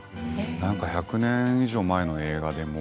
なんか１００年以上前の映画でも